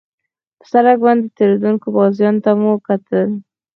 پر سړک باندې تېرېدونکو پوځیانو ته مو کتل.